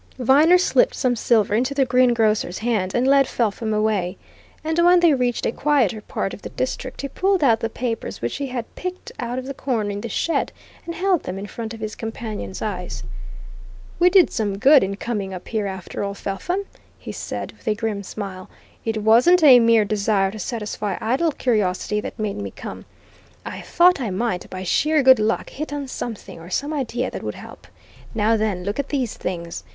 Viner slipped some silver into the greengrocer's hand and led Felpham away. And when they reached a quieter part of the district, he pulled out the papers which he had picked out of the corner in the shed and held them in front of his companion's eyes. "We did some good in coming up here, after all, Felpham!" he said, with a grim smile. "It wasn't a mere desire to satisfy idle curiosity that made me come. I thought I might, by sheer good luck, hit on something, or some idea that would help. Now then, look at these things.